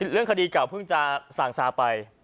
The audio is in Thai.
เรื่องคดีเก่าเพิ่งจะสั่งซาไป